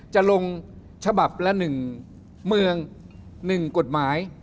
จะลงฉบับละ๑เมือง๑กฎหมาย